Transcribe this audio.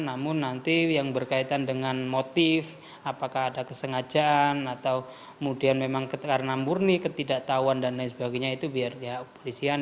namun nanti yang berkaitan dengan motif apakah ada kesengajaan atau kemurni ketidaktahuan dan lain sebagainya itu biar kepolisian